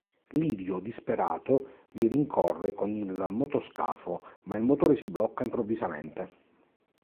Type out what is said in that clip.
Livio, disperato, li rincorre con il motoscafo, ma il motore si blocca improvvisamente.